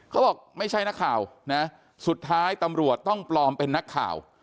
เขาบอกไม่ใช่นักข่าวนะสุดท้ายตำรวจต้องปลอมเป็นนักข่าว